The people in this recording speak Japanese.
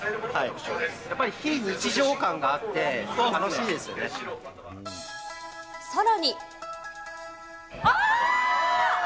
やっぱり非日常感があって、さらに。